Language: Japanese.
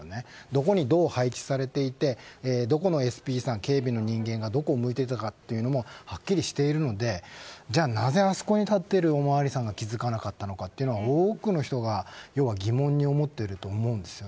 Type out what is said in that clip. どこにどう配置されていてどこのＳＰさん警備の人間がどこを向いていたかというのもはっきりしているのでなぜあそこに立っているおまわりさんが気づかなかったのかというのは多くの人が疑問に思っていると思うんです。